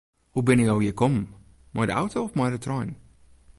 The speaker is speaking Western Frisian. Hoe binne jo hjir kommen, mei de auto of mei de trein?